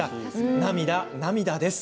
涙、涙です。